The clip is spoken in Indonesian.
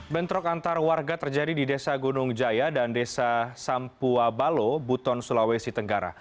bentrok antar warga terjadi di desa gunung jaya dan desa sampua balo buton sulawesi tenggara